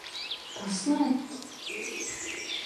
Paslēpt?